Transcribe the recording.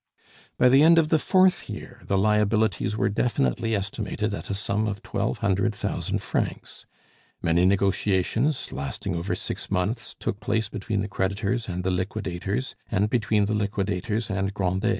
By the end of the fourth year the liabilities were definitely estimated at a sum of twelve hundred thousand francs. Many negotiations, lasting over six months, took place between the creditors and the liquidators, and between the liquidators and Grandet.